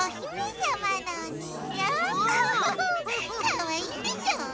かわいいでしょう？